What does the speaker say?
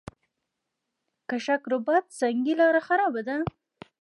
کشک رباط سنګي لاره خرابه ده؟